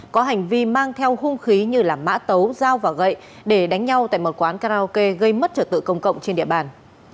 có hành vi mang theo hung khí như mã tấu dao và gậy để đánh nhau tại một quán karaoke gây mất trở tự công cộng trên địa bàn